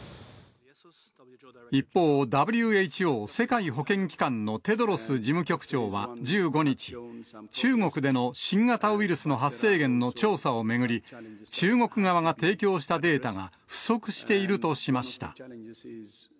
一方、ＷＨＯ・世界保健機関のテドロス事務局長は１５日、中国での新型ウイルスの発生源の調査を巡り、中国側が提供したデータが不足しているとしました。